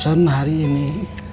terima kasih ya nak